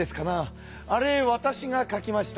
あれわたしが書きました。